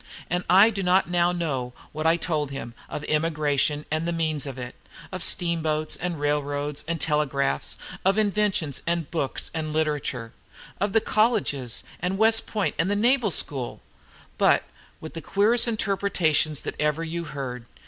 And I do not now know what I told him, of emigration, and the means of it, of steamboats, and railroads, and telegraphs, of inventions, and books, and literature, of the colleges, and West Point, and the Naval School, but with the queerest interruptions that ever you heard.